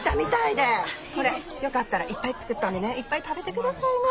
これよかったらいっぱい作ったんでねいっぱい食べてくださいな。